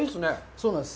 そうなんです。